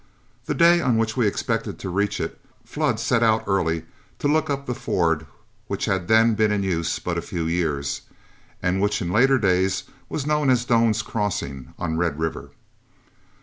The day on which we expected to reach it, Flood set out early to look up the ford which had then been in use but a few years, and which in later days was known as Doan's Crossing on Red River.